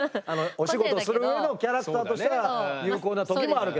お仕事する上のキャラクターとしたら有効な時もあるけど。